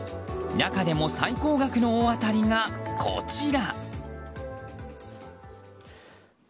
中でも最高額の大当たりがこちら。